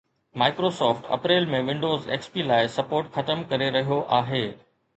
Microsoft April ۾ Windows XP لاءِ support ختم ڪري رهيو آهي